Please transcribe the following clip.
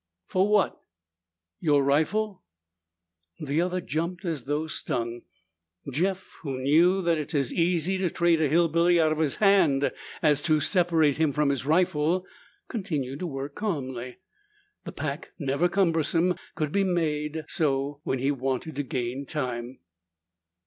"For what?" "Your rifle." The other jumped as though stung. Jeff, who knew that it's as easy to trade a hillbilly out of his hand as to separate him from his rifle, continued to work calmly. The pack, never cumbersome, could be made so when he wanted to gain time.